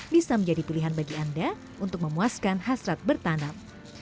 bisa menjadi pilihan bagi anda untuk memuaskan hasrat bertanam